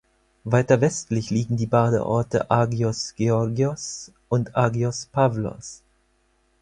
Weiter westlich liegen die Badeorte Agios Georgios und Agios Pavlos.